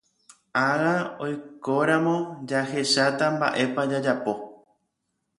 Ág̃a oikóramo jahecháta mba'épa jajapo.